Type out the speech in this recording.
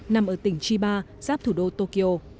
nằm ở tỉnh chiba giáp thủ đô tokyo